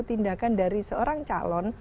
tindakan dari seorang calon